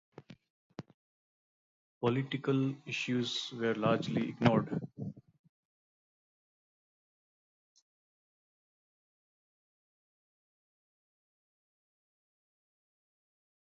Political issues were largely ignored.